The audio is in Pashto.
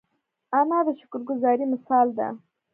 انا د شکر ګذاري مثال ده